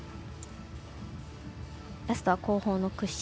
ラストは後方の屈身